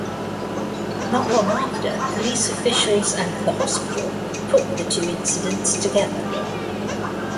Not long after, police officials and the hospital put the two incidents together.